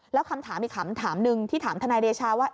แล้วคำถามอีกคำถามหนึ่งที่ถามทนายเดชาว่า